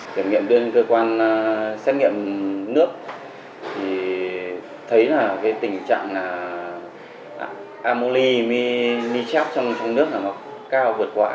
kiểm nghiệm đơn cơ quan xét nghiệm nước thì thấy là cái tình trạng là ammoni nitrate trong nước là một cao vượt qua